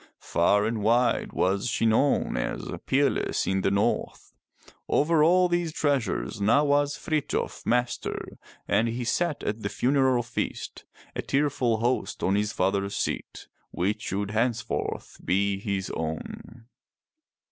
Far and wide was she known as peerless in the North. Over all these treasures now was Frithjof master, and he sat at the funeral feast a tearful host on his father's seat which should henceforth be his own.